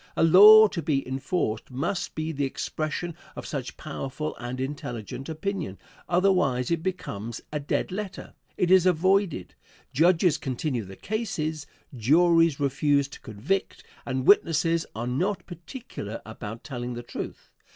A law, to be enforced, must be the expression of such powerful and intelligent opinion; otherwise it becomes a dead letter; it is avoided; judges continue the cases, juries refuse to convict, and witnesses are not particular about telling the truth.